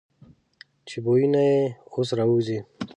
چې بویونه یې اوس را وځي.